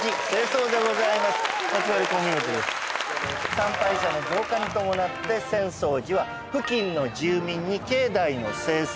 参拝者の増加に伴って浅草寺は付近の住民に境内の清掃